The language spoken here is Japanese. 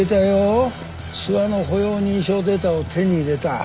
諏訪の歩容認証データを手に入れた。